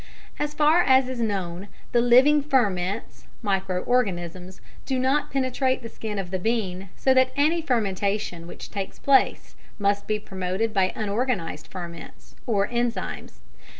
As far as is known, the living ferments (micro organisms) do not penetrate the skin of the bean, so that any fermentation which takes place must be promoted by unorganised ferments (or enzymes).